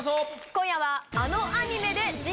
今夜は。